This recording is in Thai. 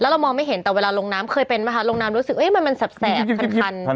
เรามองไม่เห็นแต่เวลาลงน้ำเคยเป็นไหมคะลงน้ำรู้สึกมันแสบคัน